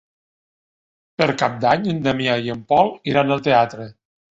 Per Cap d'Any en Damià i en Pol iran al teatre.